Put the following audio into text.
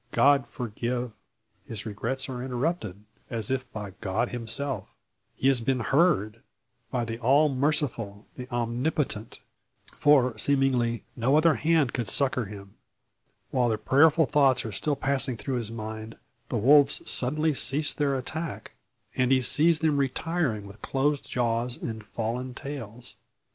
God forgive " His regrets are interrupted, as if by God Himself. He has been heard by the All Merciful, the Omnipotent; for seemingly no other hand could now succour him. While the prayerful thoughts are still passing through his mind, the wolves suddenly cease their attack, and he sees them retiring with closed jaws and fallen tails!